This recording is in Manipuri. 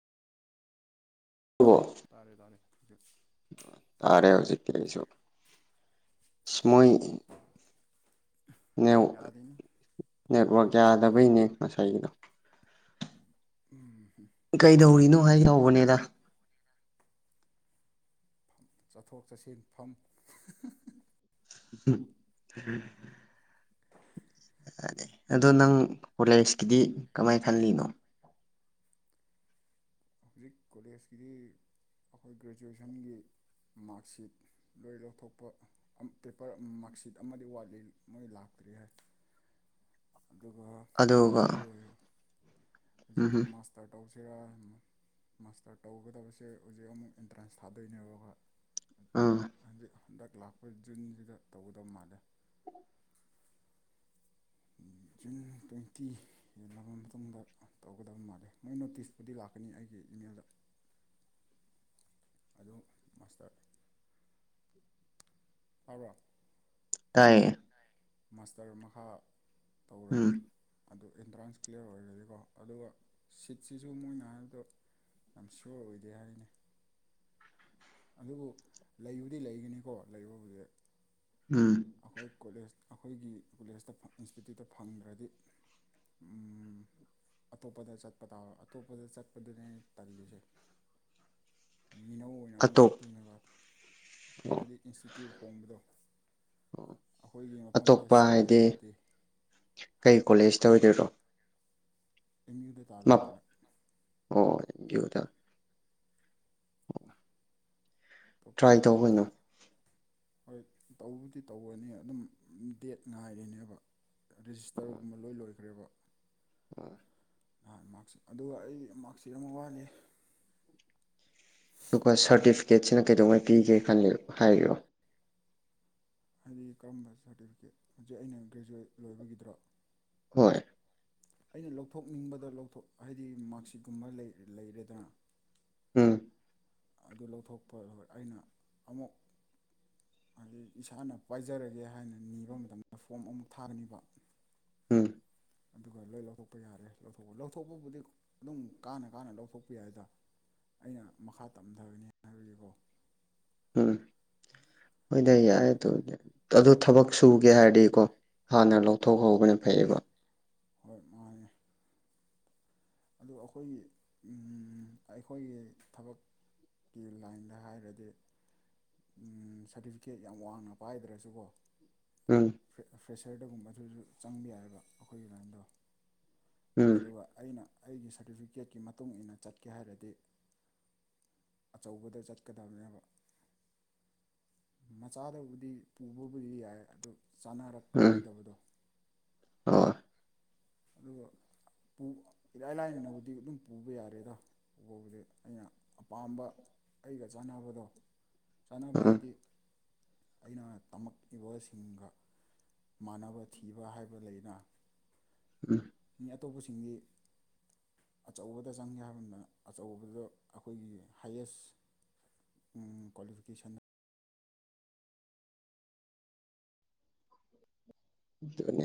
ꯑꯗꯨꯕꯨ ꯇꯥꯔꯦ ꯇꯥꯔꯦ꯫ [unintelligible] ꯇꯥꯔꯦ ꯍꯧꯖꯤꯛꯇꯤ ꯑꯩꯖꯨ ꯏꯁ ꯃꯣꯏ ꯅꯦꯋ ꯌꯥꯗꯦꯅꯤ ꯅꯦꯠꯋꯔꯛ ꯅꯦꯠꯋꯥꯛꯁꯦ ꯌꯥꯗꯕꯩꯅꯦ ꯉꯁꯥꯏꯒꯤꯗꯣ꯫ ꯀꯩꯗꯧꯔꯤꯅꯣ꯫ ꯃꯩ ꯍꯧꯕꯅꯤꯗ ꯆꯠꯊꯣꯛ ꯆꯠꯁꯤꯟ ꯐꯝ ꯍꯨꯝ ꯑꯗꯣ ꯅꯪ ꯀꯣꯂꯦꯁꯀꯤꯗꯤ ꯀꯃꯥꯏ ꯈꯜꯂꯤꯅꯣ꯫ ꯍꯧꯖꯤꯛ ꯀꯣꯂꯦꯖꯀꯤꯗꯤ ꯑꯩꯈꯣꯏ ꯒ꯭ꯔꯦꯖꯨꯋꯦꯁꯟꯒꯤ ꯃꯥꯔꯛꯁꯤꯠ ꯂꯣꯏ ꯂꯧꯊꯣꯛꯄ ꯄꯦꯄꯔ ꯃꯥꯔꯛꯁꯤꯠ ꯑꯃꯗꯤ ꯋꯥꯠꯂꯤ ꯃꯣꯏ ꯂꯥꯛꯇ꯭ꯔꯤ ꯍꯥꯏ꯫ ꯑꯗꯨꯒ ꯑꯗꯨꯒ ꯑꯗꯨ ꯂꯣꯏꯔꯦ꯫ ꯍꯧꯖꯤꯛ ꯎꯝꯍꯝ ꯃꯥꯁꯇꯔ ꯇꯧ ꯁꯤꯔ ꯃꯥꯁꯇꯔ ꯇꯧꯒꯗꯕꯁꯦ ꯍꯧꯖꯤꯛ ꯑꯃꯨꯛ ꯑꯦꯟꯇ꯭ꯔꯥꯟꯁ ꯊꯥꯗꯣꯏꯅꯦꯕ ꯈꯣꯏ꯫ ꯑꯥ꯫ ꯍꯟꯗꯛ ꯂꯥꯛꯄ ꯖꯨꯟꯖꯤꯗ ꯇꯧꯒꯗꯕ ꯃꯥꯜꯂꯦ꯫ ꯖꯨꯟ ꯇꯣꯏꯟꯇꯤ ꯍꯦꯜꯂꯕ ꯃꯇꯨꯡꯗ ꯇꯧꯒꯗꯕ ꯃꯥꯜꯂꯦ ꯃꯣꯏ ꯅꯣꯇꯤꯁꯄꯨꯗꯤ ꯂꯥꯛꯀꯅꯤ ꯑꯩꯒꯤ ꯏꯃꯦꯜꯗ ꯑꯗꯨ ꯃꯥꯁꯇꯔ ꯇꯥꯕꯔꯣ꯫ ꯇꯥꯌꯦ꯫ ꯃꯥꯁꯇꯔ ꯃꯈꯥ ꯎꯝ ꯇꯧꯔꯅꯤ꯫ ꯑꯗꯨ ꯑꯦꯟꯇ꯭ꯔꯥꯟꯁ ꯀ꯭ꯂꯤꯌꯥꯔ ꯑꯣꯏꯔꯗꯤꯀꯣ ꯑꯗꯨꯒ ꯁꯤꯠꯁꯤꯁꯨ ꯃꯣꯏꯅ ꯍꯥꯏꯕꯗꯣ ꯌꯥꯝ ꯁꯤꯌꯣꯔ ꯑꯣꯏꯗꯦ ꯍꯥꯏꯅꯦ꯫ ꯑꯗꯨꯕꯨ ꯂꯩꯕꯨꯗꯤ ꯂꯩꯒꯅꯤꯀꯣ ꯂꯩꯕꯕꯨꯗꯤ꯫ ꯎꯝ ꯑꯩꯈꯣꯏ ꯀꯣꯂꯦꯖ꯫ ꯑꯩꯈꯣꯏꯒꯤ ꯀꯣꯂꯦꯖꯇ ꯏꯟꯁꯇꯤꯇ꯭ꯌꯨꯠꯇ ꯐꯪꯗ꯭ꯔꯗꯤ ꯎꯝ ꯑꯇꯣꯞꯄꯗ ꯆꯠꯄ ꯇꯥꯕ ꯑꯇꯣꯞꯄꯗ ꯆꯠꯄꯗꯅꯦ ꯇꯜꯂꯤꯖꯦ꯫ ꯃꯤꯅꯧ ꯑꯣꯏꯅ ꯑꯃꯨꯛ ꯑꯇꯣꯞ ꯆꯠꯇꯣꯏꯅꯦꯕ ꯑꯣ ꯍꯥꯏꯗꯤ ꯏꯟꯁꯇꯤꯇ꯭ꯌꯨꯠ ꯍꯣꯡꯕꯗꯣ꯫ ꯑꯩꯈꯣꯏꯒꯤ ꯃꯐꯝꯗ ꯑꯇꯣꯞꯄ ꯁꯤꯠ ꯍꯥꯏꯗꯤ ꯂꯩꯇ꯭ꯔꯗꯤ ꯀꯩ ꯀꯣꯂꯦꯖ꯫ ꯇ ꯑꯣꯏꯗꯣꯏꯔꯣ꯫ ꯑꯦꯝ ꯌꯨꯗ ꯇꯥꯗꯧ ꯃꯞ ꯃꯥꯜꯂꯦ꯫ ꯑꯣ ꯑꯦꯝ ꯌꯨꯗ꯫ ꯇ꯭ꯔꯥꯏ ꯑꯇꯣꯞꯄꯗꯤ ꯇꯧꯀꯩꯅꯣ꯫ ꯍꯣꯏ ꯇꯧꯕꯗꯤ ꯇꯧꯒꯅꯤ ꯑꯗꯨꯝ ꯗꯦꯠ ꯉꯥꯏꯔꯤꯅꯦꯕ ꯔꯦꯖꯤꯁꯇꯔꯒꯨꯝꯕ ꯂꯣꯏ ꯂꯣꯏꯒꯔꯦꯕ꯫ ꯑ꯫ ꯑ ꯃꯥꯛꯁꯤꯠ ꯑꯗꯨꯒ ꯑꯩ ꯃꯥꯛꯁꯤꯠ ꯑꯃ ꯋꯥꯠꯂꯤ꯫ ꯑꯗꯨꯒ ꯁꯔꯇꯤꯐꯤꯀꯦꯠꯁꯤꯅ ꯀꯩꯗꯧꯉꯩ ꯄꯤꯒꯦ ꯈꯜꯂꯤ ꯍꯥꯏꯔꯤꯑꯣ ꯍꯥꯏꯗꯤ ꯀꯔꯝꯕ ꯁꯥꯔꯇꯤꯐꯤꯀꯦꯠ ꯍꯧꯖꯤꯛ ꯑꯩꯅ ꯒ꯭ꯔꯦꯖꯨꯋꯦꯠ ꯂꯣꯏꯕꯒꯤꯗ꯭ꯔꯣ ꯍꯣꯏ ꯑꯩꯅ ꯂꯧꯊꯣꯛꯅꯤꯡꯕꯗ ꯂꯧꯊꯣꯛ ꯍꯥꯏꯕꯗꯤ ꯃꯥꯔꯁꯤꯠꯀꯨꯝꯕ ꯂꯩꯔꯦꯗꯅ ꯎꯝ ꯑꯗꯨ ꯂꯧꯊꯣꯛꯄ ꯑꯩꯅ ꯑꯃꯨꯛ ꯍꯥꯏꯗꯤ ꯏꯁꯥꯅ ꯄꯥꯏꯖꯔꯒꯦ ꯍꯥꯏꯅ ꯅꯤꯕ ꯃꯇꯝꯗ ꯐꯣꯝ ꯑꯃꯨꯛ ꯊꯥꯒꯅꯤꯕ ꯎꯝ ꯑꯗꯨꯒ ꯂꯣꯏ ꯂꯧꯊꯣꯛꯄ ꯌꯥꯔꯦ ꯂꯧꯊꯣꯛꯄ ꯂꯧꯊꯣꯛꯄꯕꯨꯗꯤ ꯑꯗꯨꯝ ꯀꯥꯅ ꯀꯥꯅ ꯂꯧꯊꯣꯛꯄ ꯌꯥꯏꯗ ꯑꯩꯅ ꯃꯈꯥ ꯇꯝꯊꯕꯅꯤ ꯍꯥꯏꯕꯒꯤꯀꯣ ꯎꯝ ꯍꯣꯏꯗ ꯌꯥꯏ ꯑꯗꯨ ꯑꯗꯨ ꯊꯕꯛ ꯁꯨꯒꯦ ꯍꯥꯏꯔꯗꯤꯀꯣ ꯍꯥꯟꯅ ꯂꯧꯊꯣꯛꯍꯧꯕꯅ ꯐꯩꯌꯦꯀꯣ ꯍꯣꯏ ꯃꯥꯏ ꯑꯗꯨ ꯑꯩꯈꯣꯏꯒꯤ ꯑꯩꯈꯣꯏꯒꯤ ꯊꯕꯛꯀꯤ ꯂꯥꯏꯟꯗ ꯍꯥꯏꯔꯗꯤ ꯁꯥꯔꯇꯤꯐꯤꯀꯦꯠ ꯌꯥꯝ ꯋꯥꯡꯅ ꯄꯥꯏꯗ꯭ꯔꯁꯨꯀꯣ ꯎꯝ ꯐ꯭ꯔꯦꯁꯔꯗꯒꯨꯝꯕꯗꯨꯁꯨ ꯆꯪꯕ ꯌꯥꯏꯕ ꯑꯩꯈꯣꯏꯒꯤ ꯂꯥꯏꯟꯗꯣ ꯎꯝ ꯑꯗꯨꯒ ꯑꯩꯅ ꯑꯩꯒꯤ ꯁꯥꯔꯇꯤꯐꯤꯀꯦꯠꯀꯤ ꯃꯇꯨꯡ ꯏꯟꯅ ꯆꯠꯀꯦ ꯍꯥꯏꯔꯗꯤ ꯑꯆꯧꯕꯗ ꯆꯠꯀꯗꯕꯅꯦꯕ ꯃꯆꯥꯗꯕꯨꯗꯤ ꯄꯨꯕꯕꯨꯗꯤ ꯌꯥꯏ ꯑꯗꯨ ꯆꯥꯅꯔꯛꯑꯣꯏꯗꯕꯗꯣ ꯍ ꯑꯗꯨꯒ ꯏꯔꯥꯏ ꯂꯥꯏꯅꯅꯕꯨꯗꯤ ꯑꯗꯨꯝ ꯄꯨꯕ ꯌꯥꯔꯦꯗ ꯄꯨꯕꯕꯨꯗꯤ ꯑꯩꯅ ꯑꯄꯥꯝꯕ ꯑꯩꯒ ꯆꯥꯟꯅꯕꯗꯣ ꯆꯅꯥꯅꯕ ꯎꯝ ꯍꯥꯏꯗꯤ ꯑꯩꯅ ꯇꯝꯃꯛꯏꯕꯁꯤꯡꯒ ꯃꯥꯟꯅꯕ ꯊꯤꯕ ꯍꯥꯏꯕ ꯂꯩꯅ ꯎꯝ ꯃꯤ ꯑꯇꯣꯞꯄꯁꯤꯡꯗꯤ ꯑꯆꯧꯕꯗ ꯆꯪꯒꯦ ꯍꯥꯏꯕꯗ ꯑꯆꯧꯕꯗ ꯑꯩꯈꯣꯏꯒꯤ ꯍꯥꯏꯌꯦꯁ ꯀ꯭ꯋꯥꯂꯤꯐꯤꯀꯦꯁꯟꯅ [inaudible]